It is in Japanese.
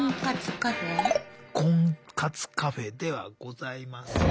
婚活カフェではございません。